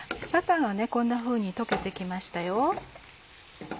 バターがこんなふうに溶けて来ましたよ。